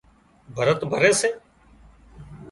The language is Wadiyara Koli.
ڀرت ڀري سي